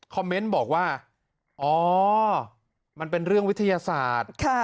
เมนต์บอกว่าอ๋อมันเป็นเรื่องวิทยาศาสตร์